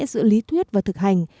giữa lý thuyết và thực hành